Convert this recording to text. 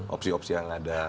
opsi opsi yang ada